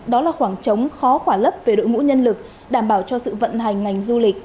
đó là khoảng trống khó khỏa lấp về đội ngũ nhân lực đảm bảo cho sự vận hành ngành du lịch